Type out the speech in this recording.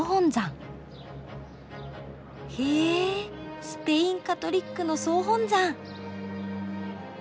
へえスペインカトリックの総本山。